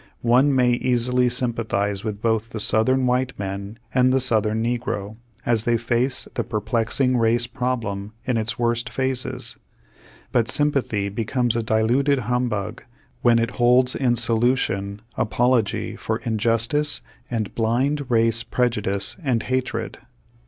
One may easily sympathize with both the Southern white man and the Southern negro, as they face the perplexing race problem in its worst phases; but S3^mpathy becomes a diluted hum bug when it holds in solution apology for injus tice and blind race prejudice and hatred.